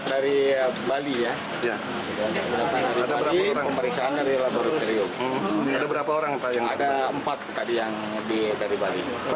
apa pak pak tersangka ada berapa pak